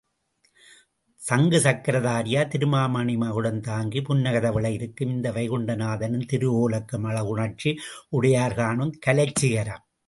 சங்கு சக்ரதாரியாய் திருமாமணிமகுடம் தாங்கி, புன்னகை தவழ இருக்கும் இந்த வைகுண்டநாதனின் திருஓலக்கம் அழகுணர்ச்சி உடையார் காணும் கலைச்சிகரம்.